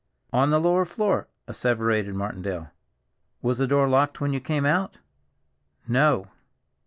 "On the lower floor," asseverated Martindale. "Was the door locked when you came out?" "No."